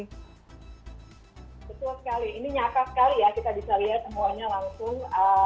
betul sekali ini nyata sekali ya kita bisa lihat semuanya langsung